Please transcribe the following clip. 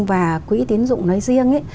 và quỹ tiến dụng nói riêng